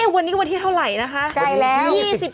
วันนี้วันที่เท่าไรนะคะวันที่๒๗แล้ววันที่๒๗แล้วได้ครับผม